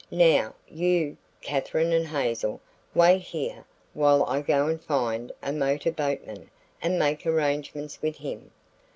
Now, you, Katherine and Hazel, wait here while I go and find a motorboatman and make arrangements with him."